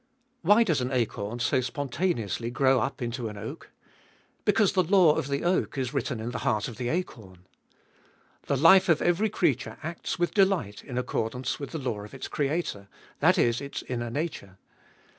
Why does an acorn so spontaneously grow up Hboliest of ail 273 into an oak? Because the law of the oak is written in the heart of the acorn. The life of every creature acts with delight in accordance with the law of its Creator, that is, its inner nature.